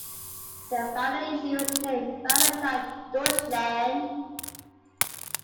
The final issue was named "Final Time Deutschland".